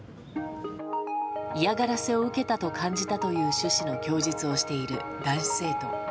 嫌がらせを受けたと感じたという趣旨の供述をしている男子生徒。